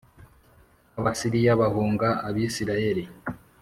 Abasiriya bahunga Abisirayeli